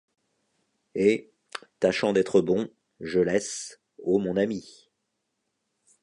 Et, tâchant d’être bon, je laisse, ô mon ami